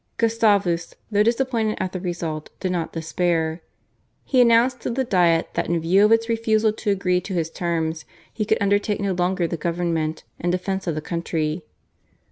Gustavus, though disappointed at the result, did not despair. He announced to the Diet that in view of its refusal to agree to his terms he could undertake no longer the government and defence of the country.